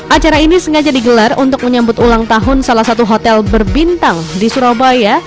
acara ini sengaja digelar untuk menyambut ulang tahun salah satu hotel berbintang di surabaya